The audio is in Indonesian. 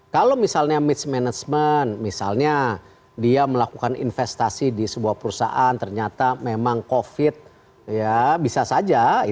kalau misalnya mismanagement misalnya dia melakukan investasi di sebuah perusahaan ternyata memang covid ya bisa saja